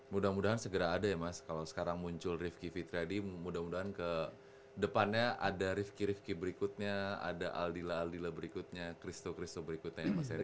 mudah mudahan segera ada ya mas kalau sekarang muncul rifqi fitri hadi mudah mudahan ke depannya ada rifqi rifqi berikutnya ada aldila aldila berikutnya kristo kristo berikutnya ya mas ariel